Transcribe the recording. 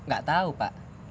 gak tau pak